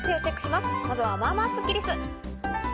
まずは、まあまあスッキりす。